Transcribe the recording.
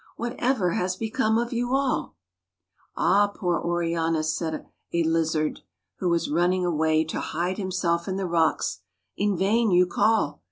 Whatever has become of you all ?"" Ah ! poor Oriana," said a lizard, who was running away to hide himself in the rocks, "in vain you call.